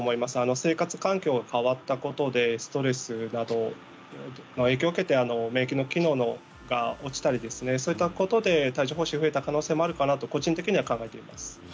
生活環境が変わったことでストレスなど影響を受けて免疫の機能が落ちたりそういったことで帯状ほう疹が増えた可能性もあるかなと個人的には考えています。